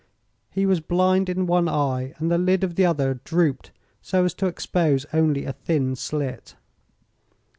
He was blind in one eye and the lid of the other drooped so as to expose only a thin slit.